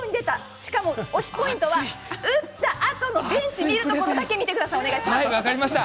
しかも推しポイントは打ったあとのベンチを見るところだけ分かりました。